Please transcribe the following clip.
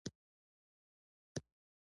زه وایم اسلام اباد د سرونو سوداګر دی.